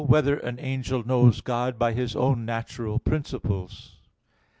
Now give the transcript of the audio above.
3] Whether an Angel Knows God by His Own Natural Principles?